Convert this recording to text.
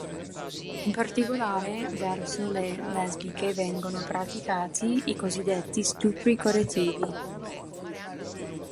In particolare verso le lesbiche vengono praticati i cosiddetti "stupri correttivi".